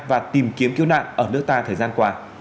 và tìm kiếm cứu nạn ở nước ta thời gian qua